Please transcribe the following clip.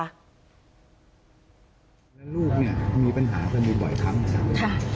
แล้วลูกเนี่ยมีปัญหาก็มีบ่อยทั้งสามค่ะ